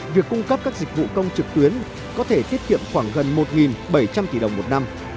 việc cung cấp các dịch vụ công trực tuyến có thể tiết kiệm khoảng gần một bảy trăm linh tỷ đồng một năm